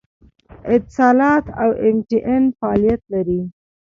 اتصالات او ایم ټي این فعالیت لري